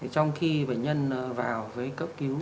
trong khi bệnh nhân vào với cấp cứu